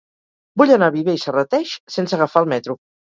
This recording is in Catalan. Vull anar a Viver i Serrateix sense agafar el metro.